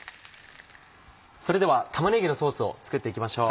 それでは玉ねぎのソースを作っていきましょう。